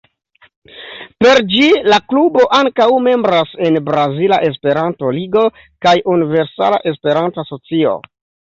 Per ĝi la klubo ankaŭ membras en Brazila Esperanto-Ligo kaj Universala Esperanto-Asocio.